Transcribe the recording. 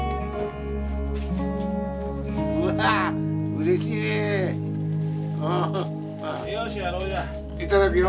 うわうれしい！頂くよ。